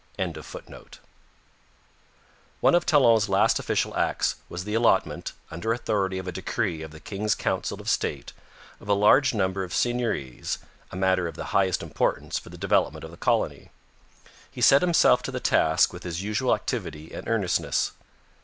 ] One of Talon's last official acts was the allotment, under authority of a decree of the King's Council of State, of a large number of seigneuries a matter of the highest importance for the development of the colony. He set himself to the task with his usual activity and earnestness.